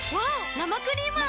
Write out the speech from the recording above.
生クリーム泡。